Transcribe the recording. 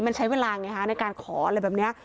มันใช้เวลาไงฮะในการขออะไรแบบนี้